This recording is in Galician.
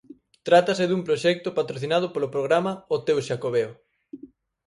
Trátase dun proxecto patrocinado polo programa O Teu Xacobeo.